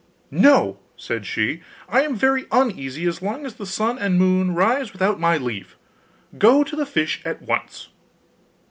'No,' said she, 'I am very uneasy as long as the sun and moon rise without my leave. Go to the fish at once!